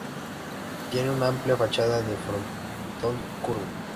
Tiene una amplia fachada de frontón curvo.